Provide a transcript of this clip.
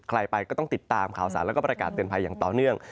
ใครไปก็ต้องติดตามข่าวสารแล้วก็ประกาศเตือนภัยอย่างต่อเนื่อง